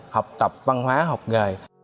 học tập văn hóa học nghề